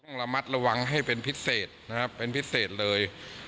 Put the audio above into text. ต้องระมัดระวังให้เป็นพิเศษนะครับเป็นพิเศษเลย